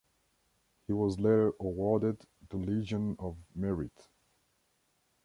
He was later awarded the Legion of Merit.